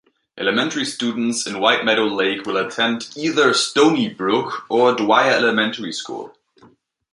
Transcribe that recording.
Elementary students in White Meadow Lake will attend either Stonybrook or Dwyer Elementary School.